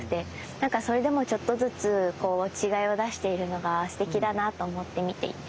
なんかそれでもちょっとずつ違いを出しているのがすてきだなと思って見ていて。